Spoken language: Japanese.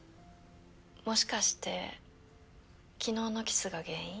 もしかして昨日のキスが原因？